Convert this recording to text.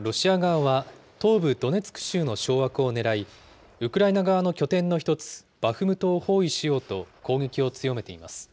ロシア側は東部ドネツク州の掌握をねらい、ウクライナ側の拠点の一つ、バフムトを包囲しようと、攻撃を強めています。